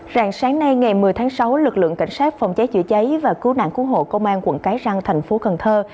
rạng sáng nay ngày một mươi tháng sáu lực lượng cảnh sát phòng cháy chữa cháy và cứu nạn cứu hộ công an quận cái răng thành phố cần thơ